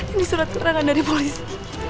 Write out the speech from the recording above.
ini surat keterangan dari polisi